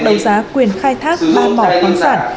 đấu giá quyền khai thác ba mỏ khoáng sản